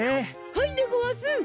はいでごわす！